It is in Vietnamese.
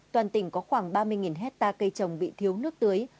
toàn tỉnh có khoảng ba mươi hectare cây trồng bị thiếu nước tưới